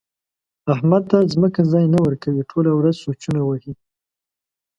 احمد ته ځمکه ځای نه ورکوي؛ ټوله ورځ سوچونه وهي.